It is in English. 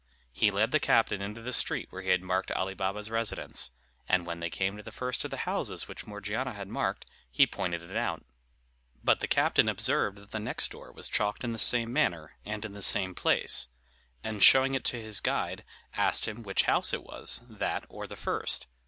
He led the captain into the street where he had marked Ali Baba's residence; and when they came to the first of the houses which Morgiana had marked, he pointed it out. But the captain observed that the next door was chalked in the same manner, and in the same place; and showing it to his guide, asked him which house it was, that, or the first.